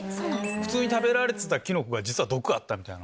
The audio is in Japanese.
普通に食べられてたキノコが実は毒あったみたいな。